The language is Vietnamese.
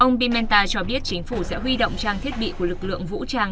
ông bimenta cho biết chính phủ sẽ huy động trang thiết bị của lực lượng vũ trang